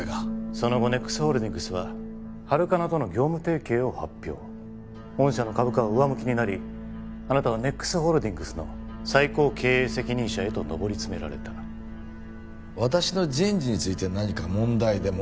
その後ＮＥＸホールディングスはハルカナとの業務提携を発表御社の株価は上向きになりあなたはＮＥＸホールディングスの最高経営責任者へと上り詰められた私の人事について何か問題でも？